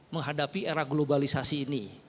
menghadapi era globalisasi ini